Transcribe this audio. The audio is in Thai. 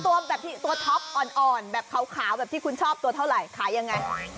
ตัวท็อปอ่อนแบบขาวแบบที่คุณชอบตัวเท่าไหร่ขายยังไง